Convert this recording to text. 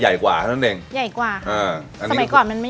ใหญ่กว่าครับสมัยก่อนมันไม่มีเครื่องแบบนี้นะ